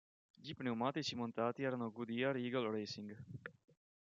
Gli pneumatici montati erano Goodyear Eagle Racing.